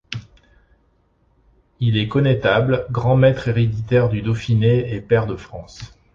Il est connétable, Grand-Maître héréditaire du Dauphiné et Pair de France.